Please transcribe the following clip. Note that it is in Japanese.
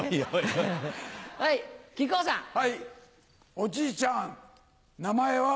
おじいちゃん名前は？